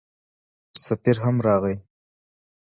سفیر هم راغی.